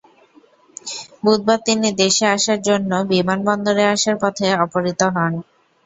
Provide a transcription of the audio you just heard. বুধবার তিনি দেশের আসার জন্য বিমান বন্দরে আসার পথে অপহৃত হন।